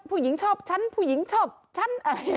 ผู้หญิงชอบฉันผู้หญิงชอบฉันอะไร